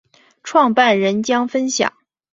创办人将分享